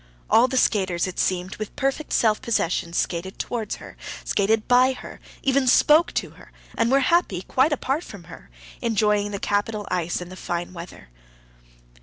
All the skaters, it seemed, with perfect self possession, skated towards her, skated by her, even spoke to her, and were happy, quite apart from her, enjoying the capital ice and the fine weather.